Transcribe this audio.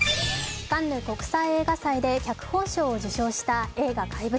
カンヌ国際映画祭で脚本賞を受賞した映画「怪物」。